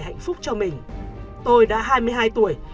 hạnh phúc cho mình tôi đã hai mươi hai tuổi